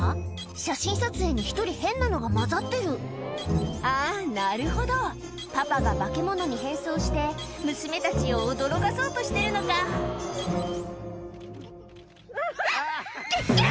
写真撮影に１人変なのが交ざってるあぁなるほどパパが化け物に変装して娘たちを驚かそうとしてるのか「ぎぎゃ！